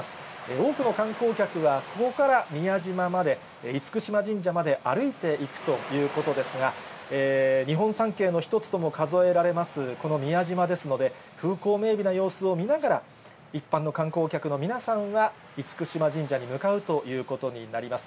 多くの観光客は、ここから宮島まで、厳島神社まで歩いていくということですが、日本三景の一つとも数えられます、この宮島ですので、風光めいびな様子を見ながら、一般の観光客の皆さんは厳島神社に向かうということになります。